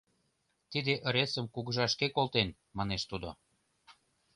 — Тиде ыресым кугыжа шке колтен, — манеш тудо.